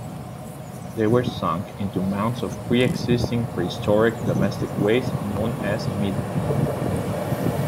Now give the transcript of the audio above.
They were sunk into mounds of pre-existing prehistoric domestic waste known as middens.